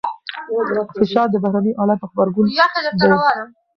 فشار د بهرني حالت غبرګون دی.